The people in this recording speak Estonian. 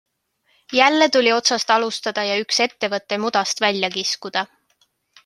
Jälle tuli otsast alustada ja üks ettevõte mudast välja kiskuda.